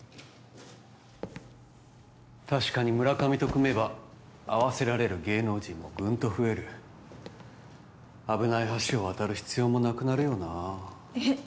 確かにムラカミと組めば会わせられる芸能人もぐんと増える危ない橋を渡る必要もなくなるよなあえっ